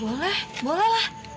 boleh boleh lah